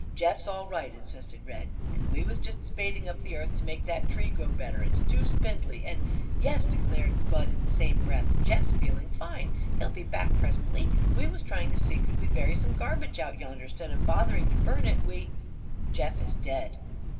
"Jeff's all right!" insisted Red. "And we was just spading up the earth to make that tree grow better. It's too spindly. And " "Yes," declared Bud in the same breath, "Jeff's feeling fine. He'll be back pres'n'ly. We was trying to see could we bury some garbage out yonder, 'stead of bothering to burn it. We " "Jeff is dead!"